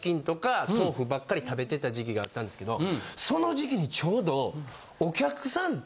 ばっかり食べてた時期があったんですけどその時期にちょうど。